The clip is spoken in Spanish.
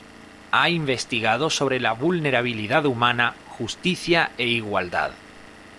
Ha investigado sobre la vulnerabilidad humana, justicia e igualdad.